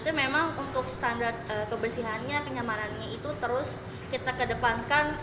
itu memang untuk standar kebersihannya kenyamanannya itu terus kita kedepankan apalagi saat pandemi kayak gini juga ya